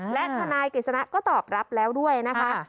และทนายกฤษณะก็ตอบรับแล้วด้วยนะคะ